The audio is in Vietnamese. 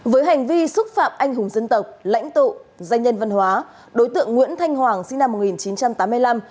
với hành vi xúc phạm anh hùng dân tộc lãnh tụ danh nhân văn hóa đối tượng nguyễn thanh hoàng sinh năm một nghìn chín trăm tám mươi năm